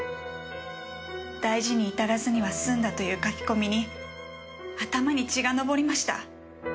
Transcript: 大事に至らずには済んだという書き込みに頭に血が上りました。